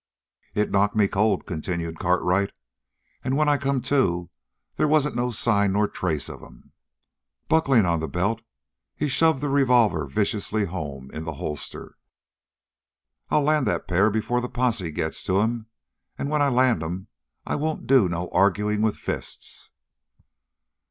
"It knocked me cold," continued Cartwright, "and when I come to, they wasn't no sign nor trace of 'em." Buckling on the belt, he shoved the revolver viciously home in the holster. "I'll land that pair before the posse gets to 'em, and when I land 'em I won't do no arguing with fists!"